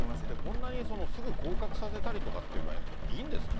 こんなにすぐ降格させたりとかっていうのは、いいんですか。